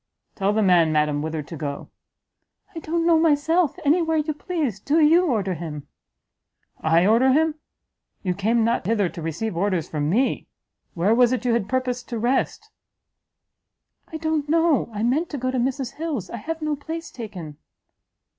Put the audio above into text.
"Tell the man, madam, whither to go." "I don't know myself any where you please do you order him." "I order him! you came not hither to receive orders from me! where was it you had purposed to rest?" "I don't know I meant to go to Mrs Hill's I have no place taken."